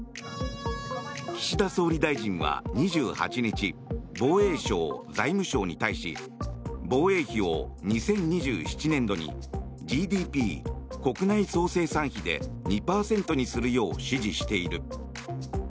岸田総理大臣は２８日防衛省、財務省に対し防衛費を２０２７年度にＧＤＰ・国内総生産比で２％にするよう指示している。